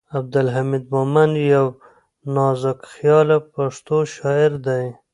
عبدالحمید مومند یو نازکخیاله پښتو شاعر دی.